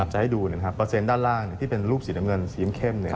จะให้ดูนะครับเปอร์เซ็นต์ด้านล่างที่เป็นรูปสีน้ำเงินสีเข้ม